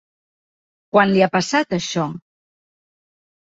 Quan li ha passat això?